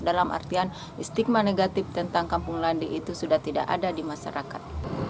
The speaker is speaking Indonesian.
dalam artian stigma negatif tentang kampung landi itu sudah tidak ada di masyarakat